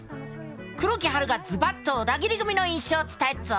黒木華がズバッとオダギリ組の印象を伝えっぞ！